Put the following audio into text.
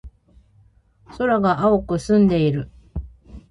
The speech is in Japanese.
空が青く澄んでいる。